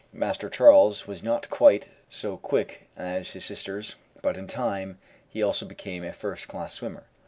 Master Charles was not quite so quick as his sisters, but in time he also became a first class swimmer.